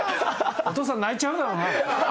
お父さん泣いちゃうだろうな。